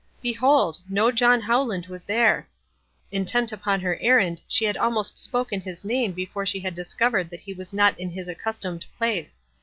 '" Behold ! No John Howland was there. In tent upon her errand, she had almost spoken his name before she had discovered that he was not in his accustomed place.